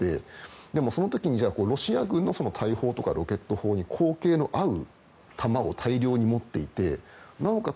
でも、その時にロシア軍の大砲とかロケット砲に口径の合う弾を大量に持っていてなおかつ